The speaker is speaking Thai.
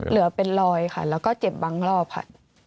เหลือเป็นรอยค่ะแล้วก็เจ็บบางรอบค่ะ